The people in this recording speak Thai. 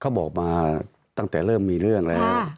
เขาบอกมาตั้งแต่เริ่มมีเรื่องแล้ว